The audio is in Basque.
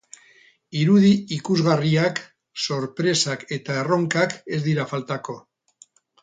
Irudi ikusgarriak, sorpresak eta erronkak ez dira faltako.